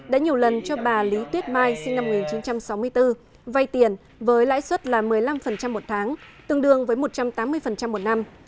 đã nhiều lần cho bà lý tuyết mai sinh năm một nghìn chín trăm sáu mươi bốn vay tiền với lãi suất là một mươi năm một tháng tương đương với một trăm tám mươi một năm